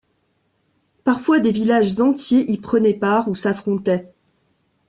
Parfois des villages entiers y prenaient part ou s’affrontaient.